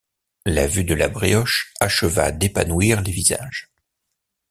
La vue de la brioche acheva d’épanouir les visages.